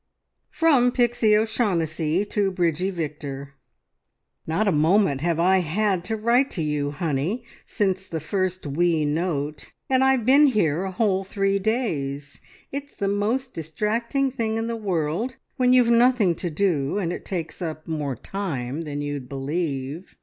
From Pixie O'Shaughnessy to Bridgie Victor: "Not a moment have I had to write to you, Honey, since the first wee note, and I've been here a whole three days. It's the most distracting thing in the world when you've nothing to do, and takes up more time than you'd believe.